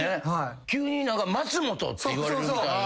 急に「まつもと」って言われるみたいな。